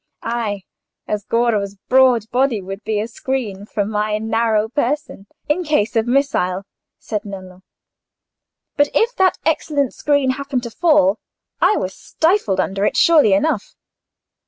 "Ay, as Goro's broad body would be a screen for my narrow person in case of missiles," said Nello; "but if that excellent screen happened to fall, I were stifled under it, surely enough.